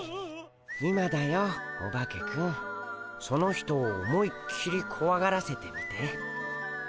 その人を思いっきりこわがらせてみて。